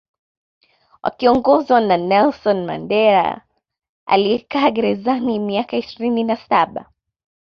Wakiongozwa na Nelson Mandela aliyekaa gerezani miaka ishirini na Saba